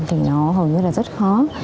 thì nó hầu như là rất khó